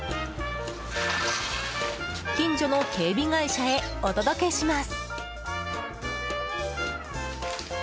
近所の警備会社へお届けします。